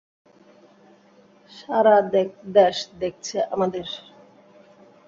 সারা দেশ দেখছে আমাদের।